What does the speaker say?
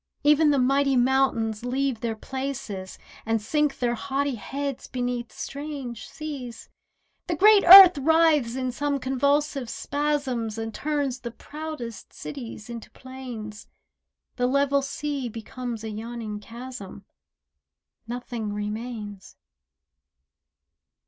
Even the mighty mountains leave their places, And sink their haughty heads beneath strange seas The great earth writhes in some convulsive spasms And turns the proudest cities into plains. The level sea becomes a yawning chasm— Nothing remains.